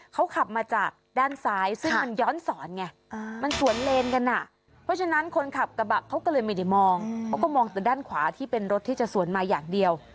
เขาก็มองจากด้านขวาที่เป็นรถที่จะสวนมาอย่างเดียว